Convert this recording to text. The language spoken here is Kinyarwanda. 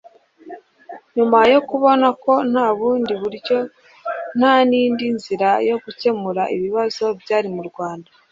Nyuma yo kubona ko nta bundi buryo nta n'indi nzira yo gukemura ibibazo byari mu Rwanda